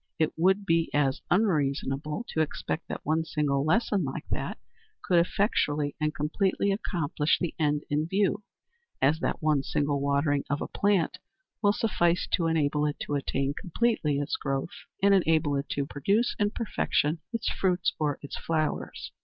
It would be as unreasonable to expect that one single lesson like that could effectually and completely accomplish the end in view, as that one single watering of a plant will suffice to enable it to attain completely its growth, and enable it to produce in perfection its fruits or its flowers.